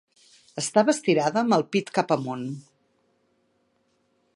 Estava estirada amb el pit cap amunt.